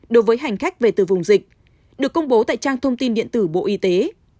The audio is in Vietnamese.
đối với hành khách về từ vùng dịch được công bố tại trang thông tin điện tử bộ y tế